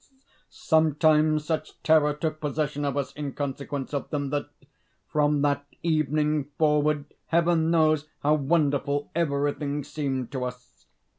Sometimes such terror took possession of us in consequence of them, that, from that evening forward, Heaven knows how wonderful everything seemed to us.